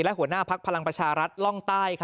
และหัวหน้าภักดิ์พลังประชารัฐร่องใต้